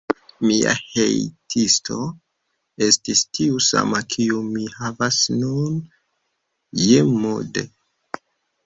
Mia hejtisto estis tiu sama, kiun mi havas nun, Jim Moode.